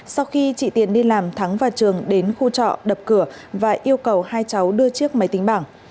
sau khi chị tiền đi làm thắng và trường đến khu trọ đập cửa và yêu cầu hai cháu đưa chiếc máy tính bảng